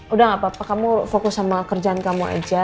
udah gak apa apa kamu fokus sama kerjaan kamu aja